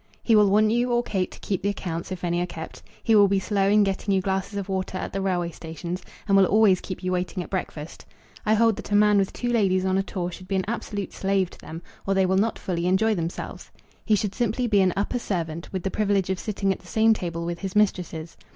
He will want you or Kate to keep the accounts, if any are kept. He will be slow in getting you glasses of water at the railway stations, and will always keep you waiting at breakfast. I hold that a man with two ladies on a tour should be an absolute slave to them, or they will not fully enjoy themselves. He should simply be an upper servant, with the privilege of sitting at the same table with his mistresses.